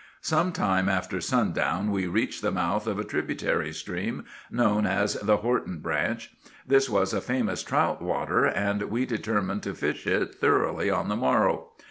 Some time after sundown we reached the mouth of a tributary stream known as the Horton Branch. This was a famous trout water, and we determined to fish it thoroughly on the morrow.